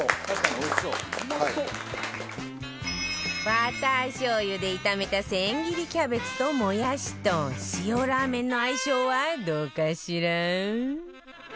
バターしょうゆで炒めた千切りキャベツともやしと塩ラーメンの相性はどうかしら？